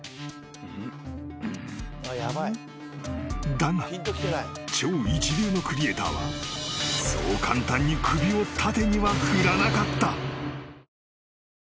［だが超一流のクリエーターはそう簡単に首を縦には振らなかった］